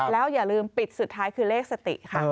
แล้วอย่าลืมปิดสุดท้ายคือเลขสติค่ะ